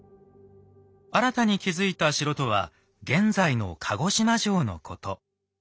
新たに築いた城とは現在の鹿児島城のこと。